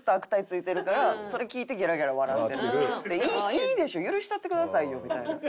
いいでしょ許したってくださいよみたいな。